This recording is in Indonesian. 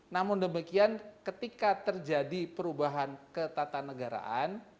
namun demikian ketika terjadi perubahan ke tata negaraan